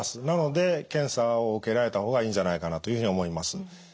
なので検査を受けられた方がいいんじゃないかなというふうに思います。